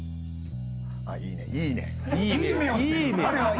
いいねいいね。